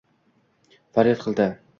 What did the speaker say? Faryod qildi: